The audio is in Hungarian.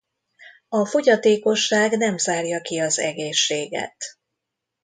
A fogyatékosság nem zárja ki az egészséget.